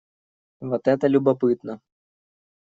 Вот это любопытно.